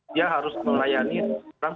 dia harus melayani